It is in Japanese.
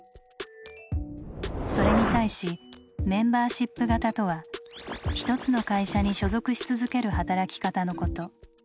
それに対しメンバーシップ型とは１つの会社に所属し続ける働き方のこと。